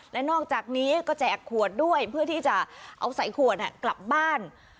และนอกจากนี้ก็แจกขวดด้วยเพื่อที่จะเอาใส่ขวดกลับบ้าน